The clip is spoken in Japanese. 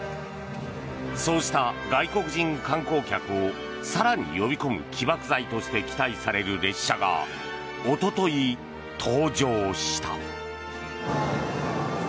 そうした外国人観光客を更に呼び込む起爆剤として期待される列車がおととい、登場した。